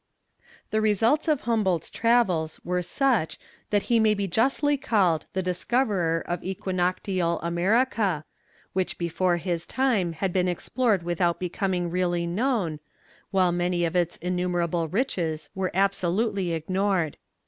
The results of Humboldt's travels were such, that he may be justly called the discoverer of Equinoctial America, which before his time had been explored without becoming really known, while many of its innumerable riches were absolutely ignored.